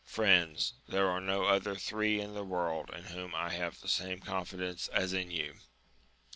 Friends ! there are no other three in the world in whom I have the same confi dence as in you.